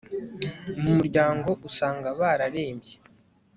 mu muryango usanga bararembye